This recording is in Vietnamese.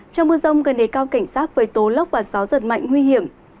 trong mưa rông gần đề cao cảnh sát với tố lốc và gió giật mạnh nguy hiểm